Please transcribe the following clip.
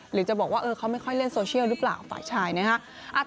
หรือจะบอกว่าเขาไม่ค่อยเล่นโซเชียลหรือเปล่าฝ่ายชายนะฮะ